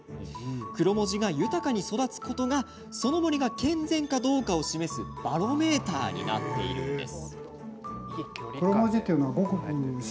クロモジが豊かに育つことがその森が健全かどうかを示すバロメーターになっているんです。